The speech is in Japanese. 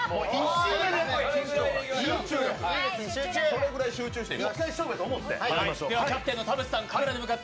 それぐらい集中していこ。